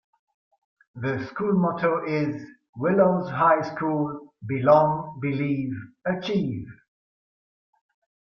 The school motto is "Willows High School: Belong, Believe, Achieve".